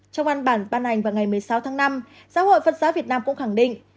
trong văn bản ban hành vào ngày một mươi sáu tháng năm giáo hội phật giáo việt nam cũng khẳng định